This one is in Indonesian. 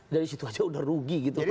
dari situ aja udah rugi gitu